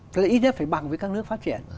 thì ít nhất phải bằng với các nước phát triển